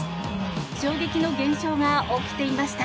衝撃の現象が起きていました。